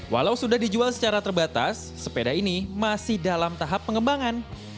walau sudah dijual secara terbatas sepeda ini masih dalam tahap pengembangan